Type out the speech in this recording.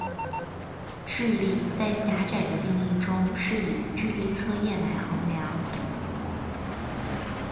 智力在狭窄的定义中是以智力测验来衡量。